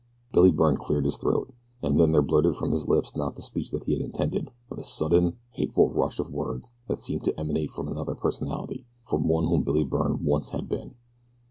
Billy Byrne cleared his throat, and then there blurted from his lips not the speech that he had intended, but a sudden, hateful rush of words which seemed to emanate from another personality, from one whom Billy Byrne once had been.